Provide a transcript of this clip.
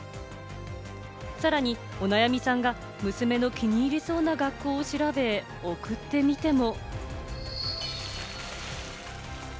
さらに、お悩みさんが娘の気に入りそうな学校を調べ、送ってみても。